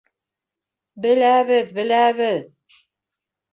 Беләбеҙ, беләбеҙ!